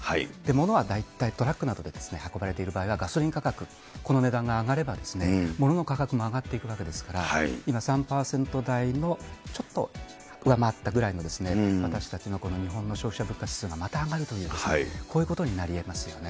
ものは大体トラックなどで運ばれている場合は、ガソリン価格、この値段が上がれば、ものの価格も上がっていくわけですから、今、３％台のちょっと上回ったぐらいの私たちのこの日本の消費者物価指数がまた上がるというこういうことになりえますよね。